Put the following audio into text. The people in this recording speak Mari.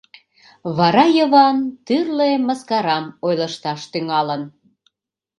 Вара Йыван тӱрлӧ мыскарам ойлышташ тӱҥалын.